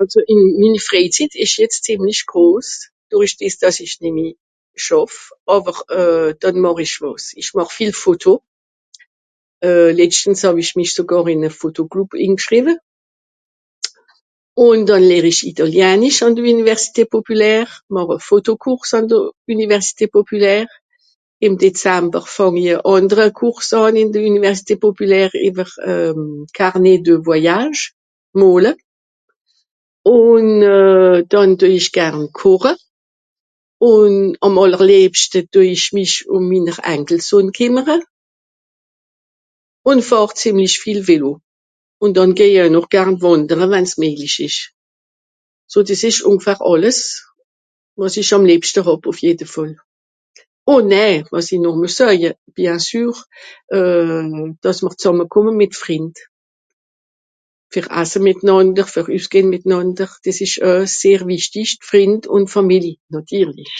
Àlso minni Fréizitt ìsch jetz zìemlich gros, dùrrich dìs dàss ich nìmmi schàff. Àwer euh dànn màch ich wàs ? ich màch viel Foto. Euh letschtens hàw-ich mich in e Fotogrùpp ingschriwe. Ùn dànn lehr ich Italiannisch àn de Üniversité Populaire, màch e Fotokurs àlso, Üniversité populaire. Ìm Dezamber fàng i e àndere Kurs àn ìn de Üniversité populaire ìwer euh Carnet de Voyage, mole. Ùn euh dànn due ich gern koche. Ùn àm àllerlìebschte due ich mich ùm minner Ankelsohn kìmmere. Ùn fahr zìemlich vìel Vélo. Ùn dànn geh noch garn wàndere wann's méjlich ìsch. So dìs ìsch ùngfahr àlles wàs ich àm liebschte hàb ùff jede Fàll. Oh nè, wàs i noch mues soeje. Biensûr, euh dàss mr zàmmekùmme mìt Frìnd. Fer asse mìtnànder, fer üssgehn mìtnànder, dìs ìsch oe sehr wichtich Frìnd ùn Fàmili nàtirlich.